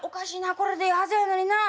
これでええはずやのになあ。